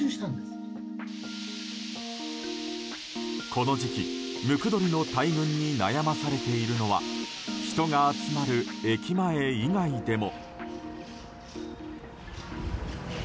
この時期、ムクドリの大群に悩まされているのは人が集まる駅前以外でも。